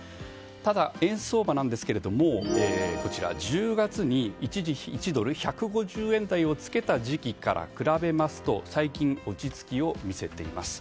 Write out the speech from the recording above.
ただ、円相場なんですが１０月に一時１ドル＝１５０円台をつけた時期から比べますと最近、落ち着きを見せています。